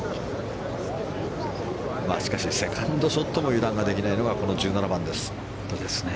しかし、セカンドショットも油断ができないのがこの１７番です。